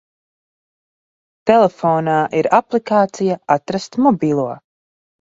Telefonā ir aplikācija "Atrast mobilo".